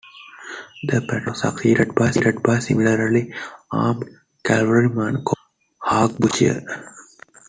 The petronel was succeeded by a similarly armed cavalryman called the harquebusier.